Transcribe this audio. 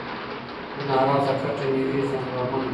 له نا رضا کټه مې رېږدي اندامونه